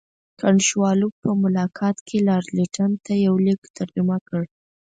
کنټ شووالوف په ملاقات کې لارډ لیټن ته یو لیک ترجمه کړ.